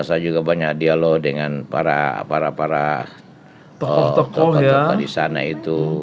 saya juga banyak dialog dengan para para para tokoh tokoh disana itu